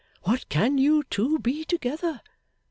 What can you two be together?